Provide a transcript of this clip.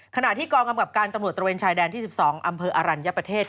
ขณะที่กองกำกับการตำรวจตระเวนชายแดนที่๑๒อำเภออรัญญประเทศ